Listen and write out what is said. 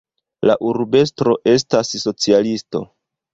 La urbestro estas socialisto.